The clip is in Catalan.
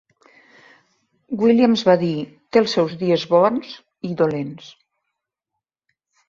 Williams va dir: "Té els seus dies bons i dolents".